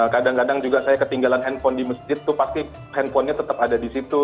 kadang kadang juga saya ketinggalan handphone di masjid itu pasti handphonenya tetap ada di situ